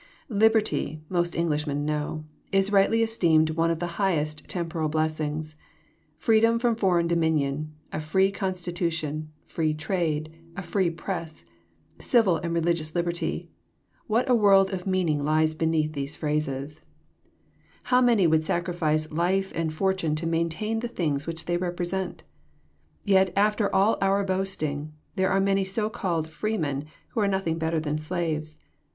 Liberty, most Englishmen know, is rightly esteemed one of the highest temporal blessings. Freedom from foreign dominion, a free constitution, free trade, a free press, civil and religious liberty, — what a world of meaning lies beneath these phrases I How many would sacrifice life and fortune to maintain the things which they represent I Yet, after all our boasting, there are many so called freemen who are nothing better than slaves.